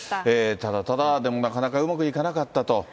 ただただ、でも、なかなかうまくいかなかったと。